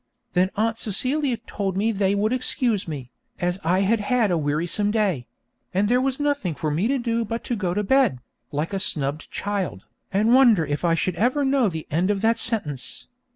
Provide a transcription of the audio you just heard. Then Aunt Celia told me they would excuse me, as I had had a wearisome day; and there was nothing for me to do but to go to bed, like a snubbed child, and wonder if I should ever know the end of that sentence.